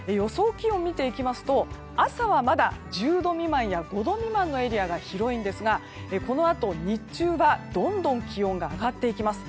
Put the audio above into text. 気温を見ていきますと朝はまだ１０度未満や５度未満のエリアが広いんですがこのあと、日中はどんどん気温が上がっていきます。